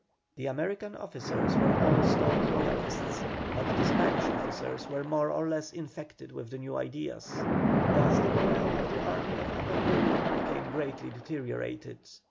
The American officers were all staunch Royalists, but the Spanish officers were more or less infected with the new ideas. Thus, the morale of the Army of Upper Peru became greatly deteriorated.